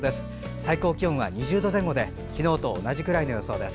最高気温は２０度前後で昨日と同じくらいの予想です。